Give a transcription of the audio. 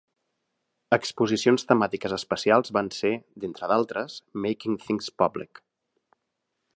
Exposicions temàtiques especials van ser, d'entre altres, "Making Things Public.